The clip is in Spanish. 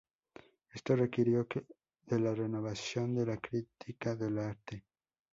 Esto requirió de la renovación de la crítica de arte.